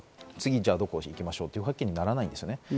次、どこに行きましょうということにならない。